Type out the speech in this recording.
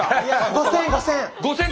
５，０００５，０００！